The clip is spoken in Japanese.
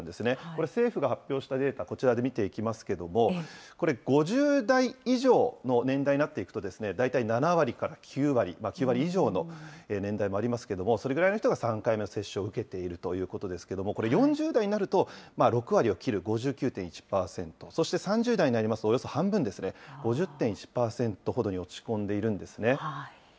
これ、政府が発表したデータ、こちらで見ていきますけれども、これ、５０代以上の年代になっていくと、大体７割から９割、９割以上の年代もありますけれども、それぐらいの人が３回目の接種を受けているということですけれども、これ、４０代になると、６割を切る、５９．１％、そして３０代になりますと、およそ半分ですね、５０．１％ほどに落ち込んでいるんですね。